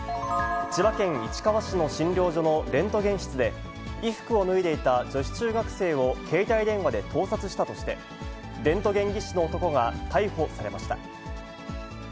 千葉県市川市の診療所のレントゲン室で、衣服を脱いでいた女子中学生を携帯電話で盗撮したとして、レントゲン技師の男が逮捕されました。